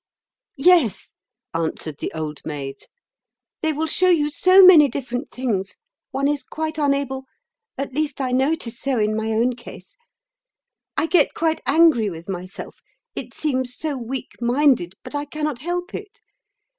"Yes," answered the Old Maid. "They will show you so many different things, one is quite unable—at least, I know it is so in my own case. I get quite angry with myself. It seems so weak minded, but I cannot help it.